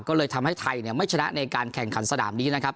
ก็เลยทำให้ไทยไม่ชนะในการแข่งขันสนามนี้นะครับ